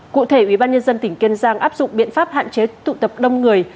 cụ thể ủy ban nhân dân tỉnh kiên giang áp dụng biện pháp hạn chế tụ tập đông người